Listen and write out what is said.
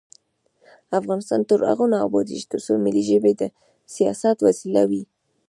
افغانستان تر هغو نه ابادیږي، ترڅو ملي ژبې د سیاست وسیله وي.